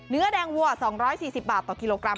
เนื้อแดงวัว๒๔๐บาทต่อกิโลกรัม